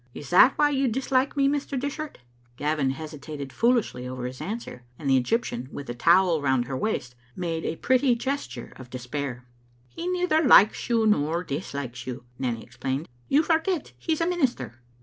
Is that why you dislike me, Mr. Dishart?" Gavin hesitated foolishly over his answer, and the Egyptian, with a towel round her waist, made a pretty gesture of despair. "He neither likes you nor dislikes you," Nanny ex plained; "you forget he's a minister."